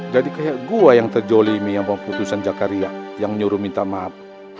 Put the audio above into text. jadi kayak gue yang terjolimi yang memutuskan jakaria yang nyuruh minta maaf